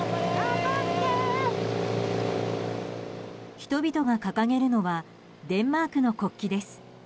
人々が掲げるのはデンマークの国旗です。